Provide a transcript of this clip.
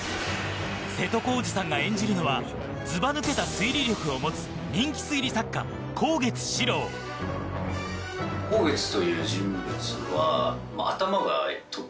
瀬戸康史さんが演じるのはずばぬけた推理力を持つ人気推理作家・香月史郎だと思います。